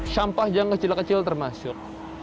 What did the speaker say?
syampah jangan kecil kecil termasuk